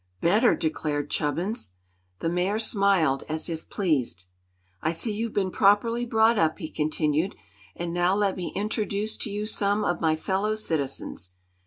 "Better!" declared Chubbins. The Mayor smiled, as if pleased. "I see you've been properly brought up," he continued; "and now let me introduce to you some of my fellow citizens.